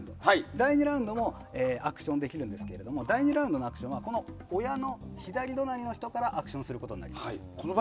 第２ラウンドもアクションできるんですけども第２ラウンドのアクションは親の左隣からアクションすることになります。